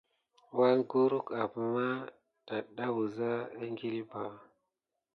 Vaki gorkute amà tada wusa ekile ɓā.